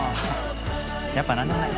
やっぱ何でもない。